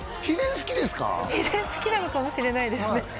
秘伝好きなのかもしれないですね